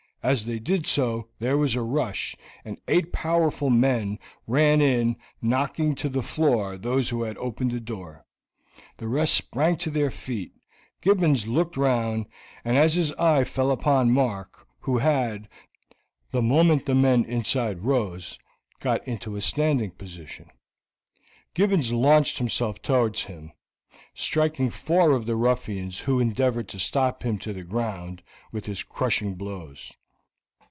As they did so there was a rush, and eight powerful men ran in, knocking to the floor those who had opened the door. The rest sprang to their feet; Gibbons looked round, and as his eye fell upon Mark, who had, the moment the men inside rose, got into a standing position, Gibbons launched himself towards him, striking four of the ruffians who endeavored to stop him to the ground with his crushing blows.